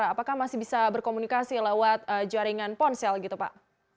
apakah masih bisa berkomunikasi lewat jaringan ponsel gitu pak